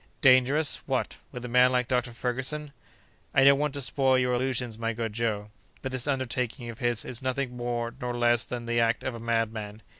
"Dangerous! What! with a man like Dr. Ferguson?" "I don't want to spoil your illusions, my good Joe; but this undertaking of his is nothing more nor less than the act of a madman.